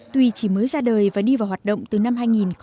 tuy chỉ mới ra đời và đi vào hoạt động từ năm hai nghìn một mươi